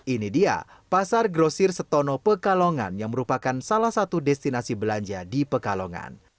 ini dia pasar grosir setono pekalongan yang merupakan salah satu destinasi belanja di pekalongan